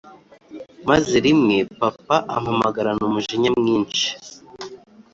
maze rimwe papa ampamagarana umujinya mwinshi